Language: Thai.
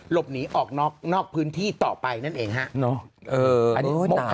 หลบหนีออกนอกพื้นที่ต่อไปนั่นเองฮะ